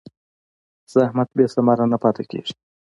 زحمت بېثمره نه پاتې کېږي.